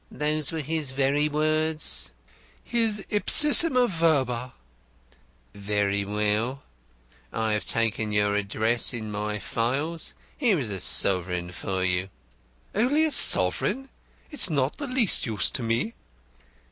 '" "Those were his very words?" "His ipsissima verba." "Very well. I have your address in my files. Here is a sovereign for you." "Only one sovereign! It's not the least use to me."